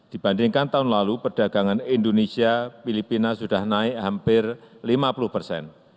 dibandingkan tahun lalu perdagangan indonesia filipina sudah naik hampir lima puluh persen